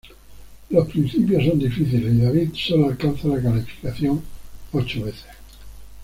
Los principios son difíciles y David sólo alcanza la calificación ocho veces.